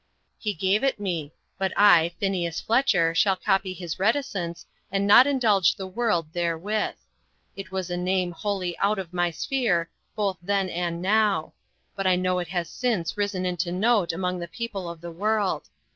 He gave it me; but I, Phineas Fletcher, shall copy his reticence, and not indulge the world therewith. It was a name wholly out of my sphere, both then and now; but I know it has since risen into note among the people of the world.